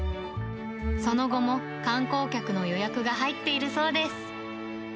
その後も観光客の予約が入っているそうです。